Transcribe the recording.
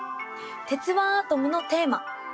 「鉄腕アトム」のテーマ。